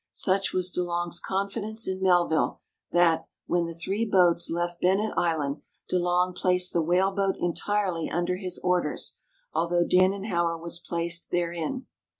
Such was De Long's confidence in Melville, that, when the three boats left ]>ennet island, De Long placed the whale boat entirely under his orders, although Danenhower was i)lace(l therein.